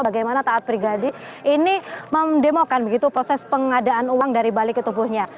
bagaimana taat pribadi ini mendemokan begitu proses pengadaan uang dari balik ke tubuhnya